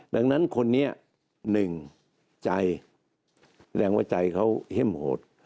ดังนั้นคนนี้หนึ่งใจแรงว่าใจเขาเข้มโหด